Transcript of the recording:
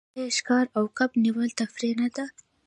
آیا ښکار او کب نیول تفریح نه ده؟